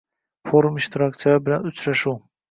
Forum ishtirokchilari bilan uchrashuvng